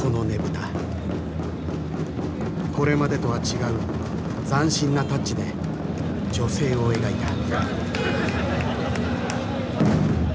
これまでとは違う斬新なタッチで女性を描いた。